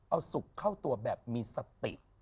เอาสุขเข้าตัวแบบมีสติ